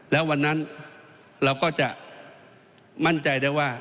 แล้ววันนั้นเราก็จะมั่นใจได้ว่า